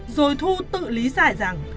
rồi thu tự lý giải rằng